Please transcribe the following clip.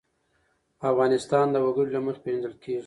افغانستان د وګړي له مخې پېژندل کېږي.